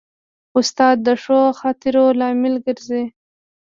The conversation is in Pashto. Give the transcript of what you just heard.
استاد د ښو خاطرو لامل ګرځي.